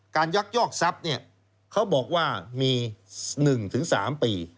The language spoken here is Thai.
การยักษ์ยอกทรัพย์เขาบอกว่ามี๑๓ปี